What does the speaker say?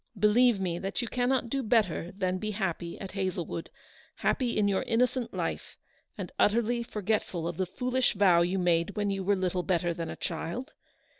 Believe me that you cannot do better than be happy at Hazle wood; happy in your innocent life, and utterly forgetful of the foolish vow you made when you were little better than a child.